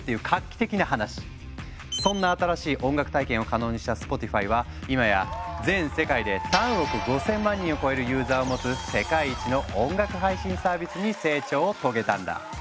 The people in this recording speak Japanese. そんな新しい音楽体験を可能にしたスポティファイは今や全世界で３億５，０００万人を超えるユーザーを持つ世界一の音楽配信サービスに成長を遂げたんだ。